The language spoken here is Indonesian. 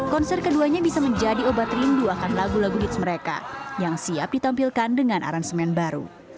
konser keduanya bisa menjadi obat rindu akan lagu lagu hits mereka yang siap ditampilkan dengan aransemen baru